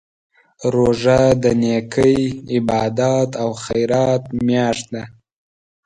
روژه د نېکۍ، عبادت او خیرات میاشت ده.